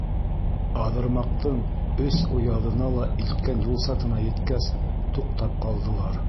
Аҙырмаҡтың өс уяҙына ла илткән юл сатына еткәс, туҡтап ҡалдылар.